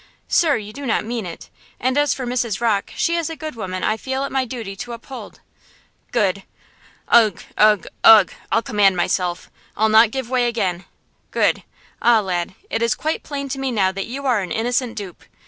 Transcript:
"Sir, you do not mean it! and as for Mrs. Rocke, she is a good woman I feel it my duty to uphold!" "Good! ugh! ugh! ugh! I'll command myself! I'll not give way again! Good! ah, lad, it is quite plain to me now that you are an innocent dupe.